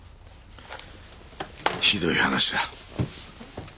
ひどい話だ。